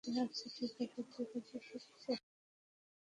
আচ্ছা, ঠিক আছে, ঠিক আছে, ঠিক আছে।